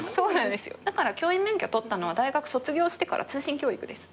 だから教員免許取ったのは大学卒業してから通信教育です。